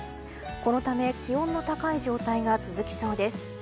このため気温の高い状態が続きそうです。